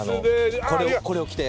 あのこれを着て。